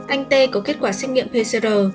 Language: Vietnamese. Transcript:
anh t có kết quả xét nghiệm pcr